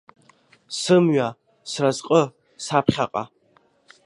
Сымҩа, сразҟы, саԥхьаҟа…